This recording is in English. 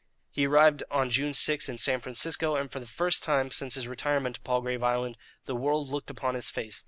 He arrived on June 6 in San Francisco, and for the first time, since his retirement to Palgrave Island, the world looked upon his face.